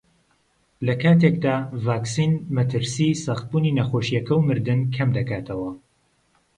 لەکاتێکدا ڤاکسین مەترسیی سەختبوونی نەخۆشییەکە و مردن کەمدەکاتەوە